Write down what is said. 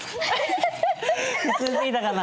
普通すぎたかな？